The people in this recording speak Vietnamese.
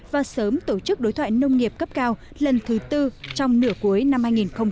và sớm tổ chức đối thoại nông nghiệp cấp cao lần thứ tư trong nửa cuối năm hai nghìn hai mươi